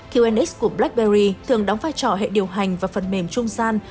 qnx của blackberry thường đóng vai trò hệ điều hành và phần mềm trung gian